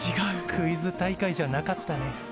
クイズ大会じゃなかったね。